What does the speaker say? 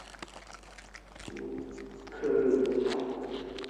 克瑞乌萨。